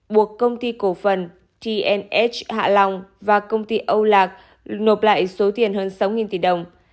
buộc công ty cổ phần tns hạ long và công ty âu lạc nộp lại số tiền hơn sáu tỷ đồng